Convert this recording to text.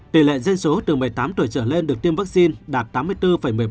tỷ lệ dân số từ một mươi tám tuổi trở lên được tiêm vaccine đạt tám mươi bốn một mươi bảy